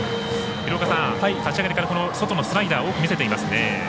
廣岡さん、立ち上がりから外のスライダーを多く見せていますね。